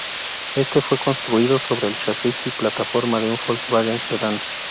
Este fue construido sobre el chasis y plataforma de un Volkswagen Sedán.